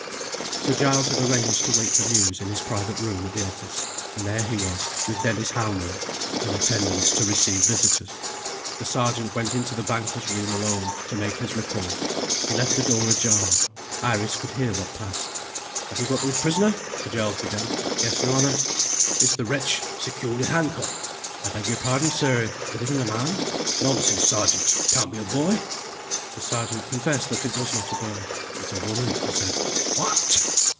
Sir Giles had arranged to wait for news in his private room at the office and there he was, with Dennis Howmore in attendance to receive visitors. The Sergeant went into the banker's room alone, to make his report. He left the door ajar; Iris could hear what passed. "Have you got your prisoner?" Sir Giles began. "Yes, your honour." "Is the wretch securely handcuffed?" "I beg your pardon, sir, it isn't a man." "Nonsense, Sergeant; it can't be a boy." The Sergeant confessed that it was not a boy. "It's a woman," he said. "What!!!"